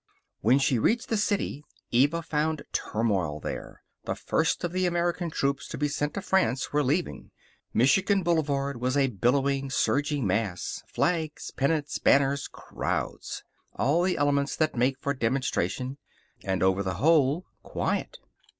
When she reached the city Eva found turmoil there. The first of the American troops to be sent to France were leaving. Michigan Boulevard was a billowing, surging mass: flags, pennants, banners, crowds. All the elements that make for demonstration. And over the whole quiet.